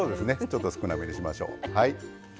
ちょっと少なめにしましょう。